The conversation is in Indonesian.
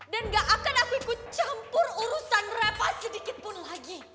dan gak akan aku ikut campur urusan reva sedikit pun lagi